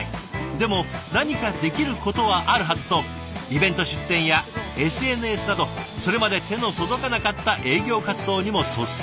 でも何かできることはあるはずとイベント出展やＳＮＳなどそれまで手の届かなかった営業活動にも率先して挑戦。